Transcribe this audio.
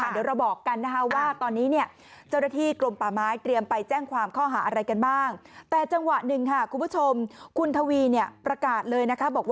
เดี๋ยวเราบอกกันว่าตอนนี้เจ้าหน้าที่กลมป่าไม้